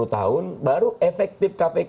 sepuluh tahun baru efektif kpk